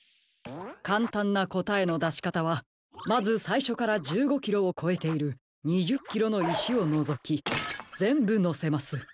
かんたんなこたえのだしかたはまずさいしょから１５キロをこえている２０キロのいしをのぞきぜんぶのせます。